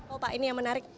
oh pak ini yang menarik